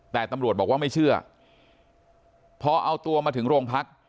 แต่ตำรวจบอกว่าไม่เชื่อพอเอาตัวมาถึงโรงพัก